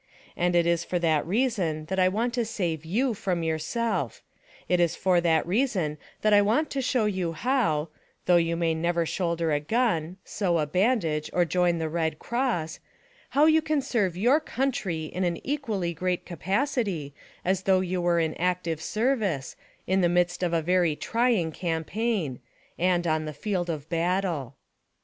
And it is for that reason that I v/ant to save yoii from yourself; it is for that reason that I want to show you how — though you may never shoulder a gun, sew a bandage or join the RED CROSS— how you can serve your COUNTRY in an equallv great capacity as though you were in active service, in the midst of a very trying CAMPAIGN ... and on the field of BATTLE.